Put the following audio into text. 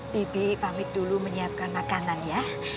bibi pamit dulu menyiapkan makanan ya